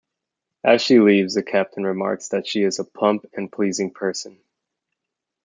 As she leaves, the Captain remarks that she is "a plump and pleasing person".